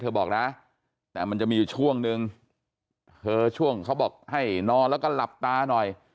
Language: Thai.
บอกนะแต่มันจะมีอยู่ช่วงนึงเธอช่วงเขาบอกให้นอนแล้วก็หลับตาหน่อย